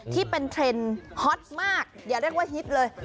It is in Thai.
ที่เป็นเทรนด์ฮอตมากอย่าเรียกว่าฮิตเลย